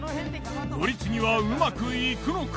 乗り継ぎはうまくいくのか？